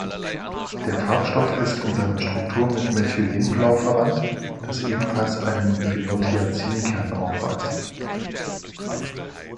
Der Farbstoff ist in seiner Struktur mit Methylenblau verwandt, das ebenfalls einen Phenothiazinkern aufweist.